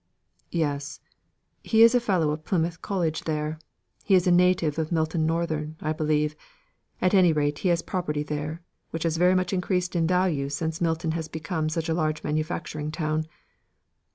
"Yes. He is a Fellow of Plymouth College there. He is a native of Milton Northern, I believe. At any rate he has property there, which has very much increased in value since Milton has become such a large manufacturing town.